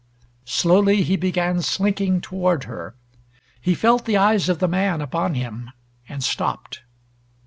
Slowly he began slinking toward her. He felt the eyes of the man upon him, and stopped.